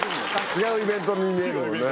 違うイベントに見えるもんね